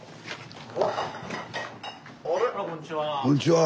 あらこんにちは。